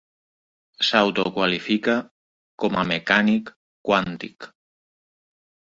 S'autoqualifica com a "mecànic quàntic".